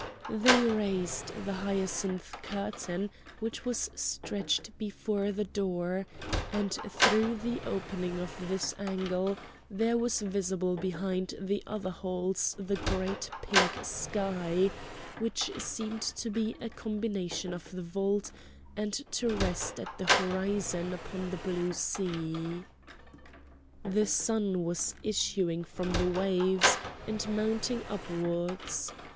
They raised the hyacinth curtain which was stretched before the door; and through the opening of this angle there was visible behind the other halls the great pink sky which seemed to be a continuation of the vault and to rest at the horizon upon the blue sea. The sun was issuing from the waves and mounting upwards.